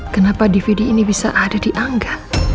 kenapa dvd ini bisa ada di angga